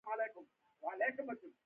مغلوب لوری ناتوان و